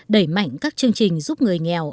đẩy mạnh các chương trình giúp người nghèo